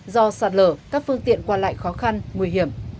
do sạt lở các phương tiện qua lại khó khăn nguy hiểm